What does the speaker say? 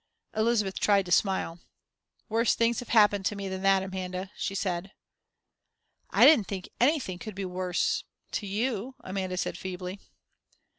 Elizabeth tried to smile. "Worse things have happened to me than that, Amanda," she said. "I didn't think anything could be worse to you," Amanda said, feebly.